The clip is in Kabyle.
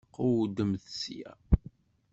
Qewwdemt sya!